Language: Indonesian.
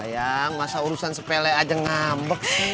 ya masa urusan sepele aja ngambek sih